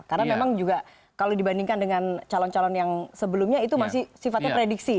karena memang juga kalau dibandingkan dengan calon calon yang sebelumnya itu masih sifatnya prediksi